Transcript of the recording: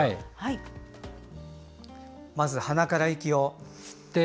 鼻から息を吸って。